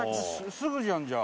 すぐじゃんじゃあ。